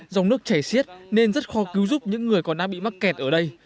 dòng nước chảy xiết nên rất khó cứu giúp những người còn đang bị mắc kẹt ở đây